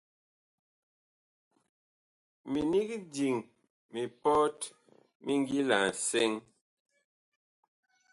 Minig diŋ mipɔt mi ngila nsɛŋ.